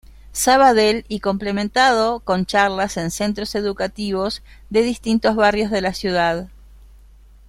Sabadell y complementado con charlas en centros educativos de distintos barrios de la ciudad.